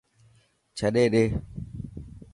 ڇڏي ڏي.